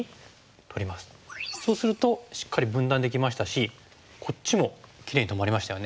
そうするとしっかり分断できましたしこっちもきれいに止まりましたよね。